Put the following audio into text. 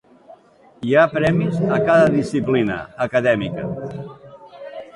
Hi ha premis a cada disciplina acadèmica.